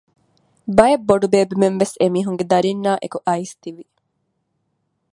ބައެއް ބޮޑުބޭބެމެންވެސް އެމީހުންގެ ދަރިންނާއެކު އައިސް ތިވި